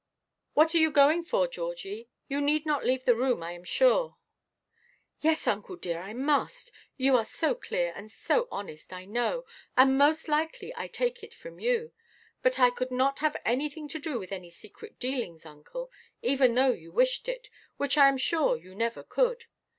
"What are you going for, Georgie? You need not leave the room, I am sure." "Yes, uncle dear, I must. You are so clear and so honest, I know; and most likely I take it from you. But I could not have anything to do with any secret dealings, uncle, even though you wished it, which I am sure you never could.